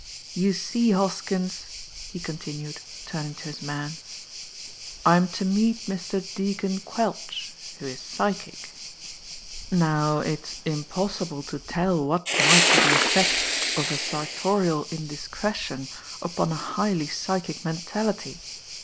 You see, Hoskins," he continued, turning to his man, "I'm to meet Mr. Deacon Quelch, who is psychic. Now it's impossible to tell what might be the effect of a sar^ torial indiscretion upon a highly psychic mentality.